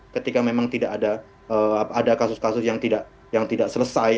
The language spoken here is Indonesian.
ketika memang tidak ada kasus kasus yang tidak selesai